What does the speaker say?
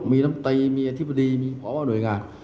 มีลำใจมีอธิบดีมีพอบพาหน่วยงาน